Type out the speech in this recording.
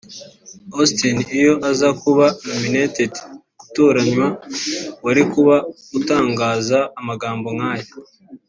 Austin iyo uza kuba nominated [gutoranywa] wari kuba utangaza amagambo nk’aya